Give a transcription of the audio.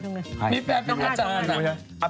มีแฟนเป็นอาจารย์อ่ะ